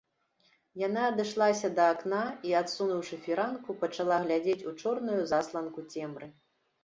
Яна адышлася да акна і, адсунуўшы фіранку, пачала глядзець у чорную засланку цемры.